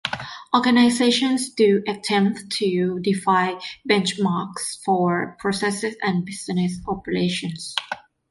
Organizations do attempt to define benchmarks for processes and business operations.